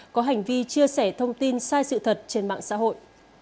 có hành vi chia sẻ thông tin sai sự thật trên mạng xã hội